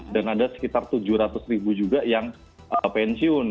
dan ada sekitar tujuh ratus ribu juga yang pensiun